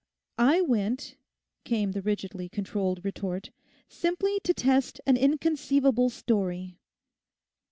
'I went,' came the rigidly controlled retort, 'simply to test an inconceivable story.